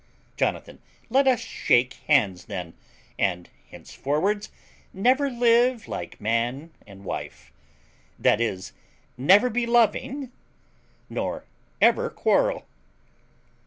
Jonathan. Let us shake hands then, and henceforwards never live like man and wife; that is, never be loving nor ever quarrel.